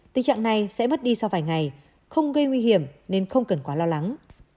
tình trạng này sẽ mất đi sau vài ngày không gây nguy hiểm nên không cần quá lo lắng